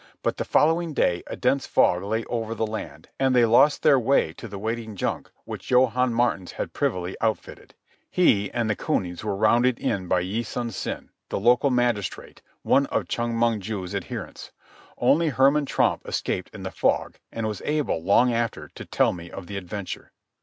But the following day a dense fog lay over the land and they lost their way to the waiting junk which Johannes Maartens had privily outfitted. He and the cunies were rounded in by Yi Sun sin, the local magistrate, one of Chong Mong ju's adherents. Only Herman Tromp escaped in the fog, and was able, long after, to tell me of the adventure.